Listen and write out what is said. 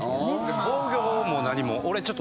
防御法も何も俺。